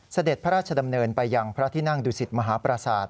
เสด็จพระราชดำเนินไปยังพระที่นั่งดุสิตมหาปราศาสตร์